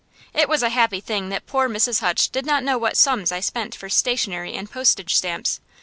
It was a happy thing that poor Mrs. Hutch did not know what sums I spent for stationery and postage stamps.